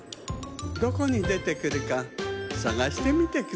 どこにでてくるかさがしてみてくださいね。